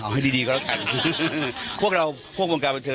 เอาให้ดีก็แล้วกันพวกเราพวกวงการบันเทิ